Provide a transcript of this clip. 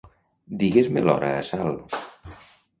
Digues-me l'hora a Salt.